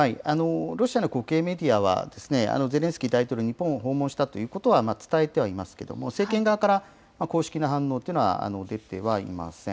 ロシアの国営メディアは、ゼレンスキー大統領、日本を訪問したということは伝えてはいますけれども、政権側から公式な反応っていうのは出てはいません。